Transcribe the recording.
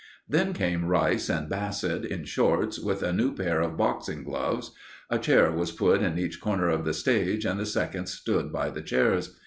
Then came Rice and Bassett in shorts, with a new pair of boxing gloves. A chair was put in each corner of the stage, and the seconds stood by the chairs.